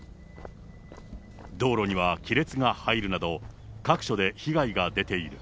道路には亀裂が入るなど、各所で被害が出ている。